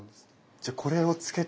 じゃこれをつけて。